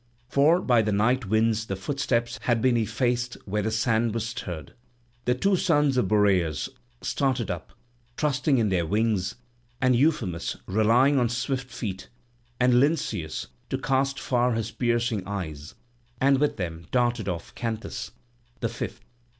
For by the night winds the footsteps had been effaced where the sand was stirred. The two sons of Boreas started up, trusting in their wings; and Euphemus, relying on his swift feet, and Lynceus to cast far his piercing eyes; and with them darted off Canthus, the fifth.